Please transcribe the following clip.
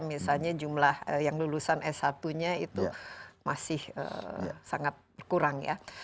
misalnya jumlah yang lulusan s satu nya itu masih sangat kurang ya